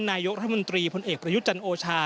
นายกรัฐมนตรีพลเอกประยุทธ์จันทร์โอชา